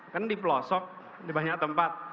kan di pelosok di banyak tempat